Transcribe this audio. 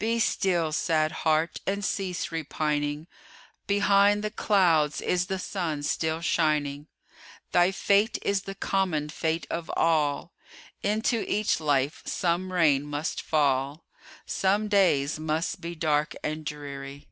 Be still, sad heart! and cease repining; Behind the clouds is the sun still shining; Thy fate is the common fate of all, Into each life some rain must fall, Some days must be dark and dreary.